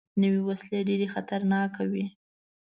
نوې وسلې ډېرې خطرناکې وي